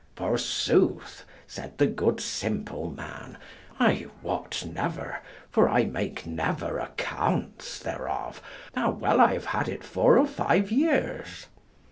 "Forsooth," said the good simple man, "I wot never, for I make never accounts thereof how well I have had it four or five years."